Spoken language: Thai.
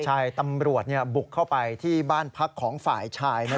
ใช่ตำรวจบุกเข้าไปที่บ้านพักของฝ่ายชาย